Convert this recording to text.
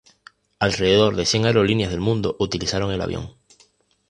Alrededor de cien aerolíneas del mundo utilizaron el avión.